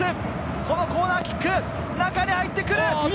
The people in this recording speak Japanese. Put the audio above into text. このコーナーキック、中に入ってくる。